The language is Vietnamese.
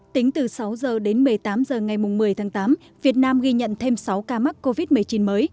tính từ sáu h đến một mươi tám h ngày một mươi tháng tám việt nam ghi nhận thêm sáu ca mắc covid một mươi chín mới